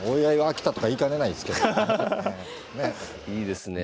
いいですねえ。